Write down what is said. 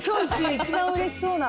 一番うれしそうな。